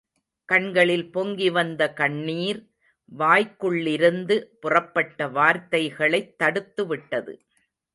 கண்களில் பொங்கி வந்த கண்ணீர், வாய்க்குள்ளிருந்து புறப்பட்ட வார்த்தைகளைத் தடுத்துவிட்டது.